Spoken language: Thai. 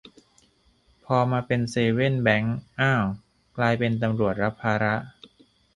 พอมาเป็นเซเว่นแบงก์ อ้าว กลายเป็นตำรวจรับภาระ